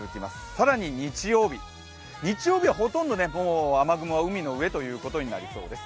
更に日曜日はほとんど雨雲は海の上ということになりそうです